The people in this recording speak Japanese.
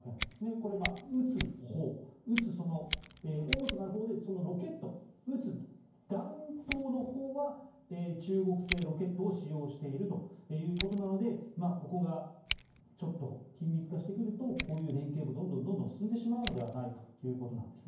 これは撃つほう撃つ主となるほうでそのロケット、撃つ弾頭のほうは中国製ロケットを使用しているということなのでここがちょっと緊密化してくるとこういう連携もどんどん進んでしまうのではということです。